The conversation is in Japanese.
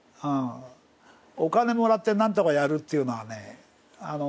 お金もらってなんとかやるっていうのはね